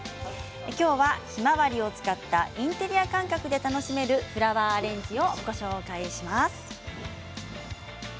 きょうはヒマワリを使ったインテリア感覚で楽しめるフラワーアレンジをご紹介します。